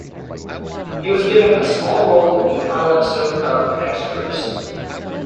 He was given a small role in the final episode of "Extras".